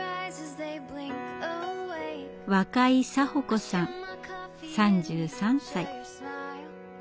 若井沙穂子さん３３歳。